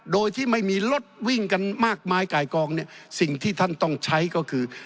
โดยที่ไม่มีรถวิ่งกันมากมายไก่กองเนี่ยสิ่งที่ท่านต้องใช้ก็คือ